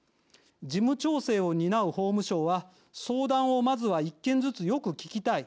事務調整を担う法務省は相談をまずは１件ずつ、よく聞きたい。